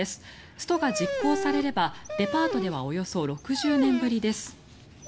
ストが実行されればデパートではおよそ６０年ぶりです。